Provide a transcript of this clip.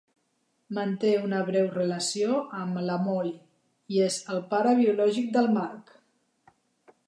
Manté una breu relació amb la Molly i és el pare biològic del Mark.